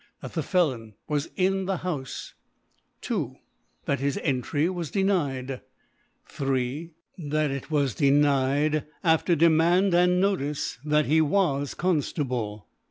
That the Felon, ISc. was in the Houfc. 2. That his Eiv try was denied. 3. That it was denied after Demand and Notice that he was Conftable f.